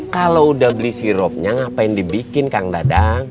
kalau udah beli sirupnya ngapain dibikin kang dadang